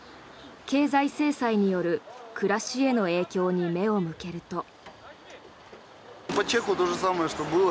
経済制裁による暮らしへの影響に目を向けると。